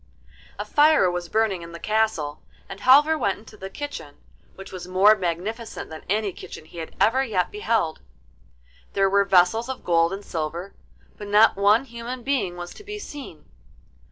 A fire was burning in the castle, and Halvor went into the kitchen, which was more magnificent than any kitchen he had ever yet beheld. There were vessels of gold and silver, but not one human being was to be seen.